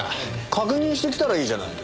確認してきたらいいじゃない。